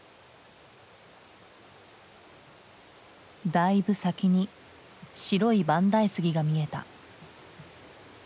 だいぶ先に白い万代杉が見えた。